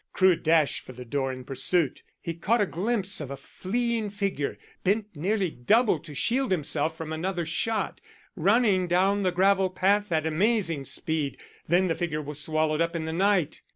Crewe dashed for the door in pursuit. He caught a glimpse of a fleeing figure, bent nearly double to shield himself from another shot, running down the gravel path at amazing speed. Then the figure was swallowed up in the night.